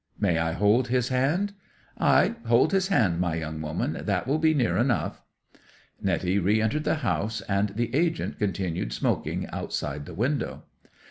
'"Might I hold his hand?" '"Ay, hold his hand, my young woman—that will be near enough." 'Netty re entered the house, and the agent continued smoking outside the window.